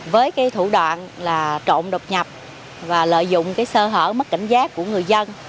với cái thủ đoạn là trộn đột nhập và lợi dụng cái sơ hở mất cảnh giác của người dân